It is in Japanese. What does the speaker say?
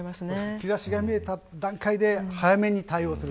兆しが見えた段階で早めに対応する。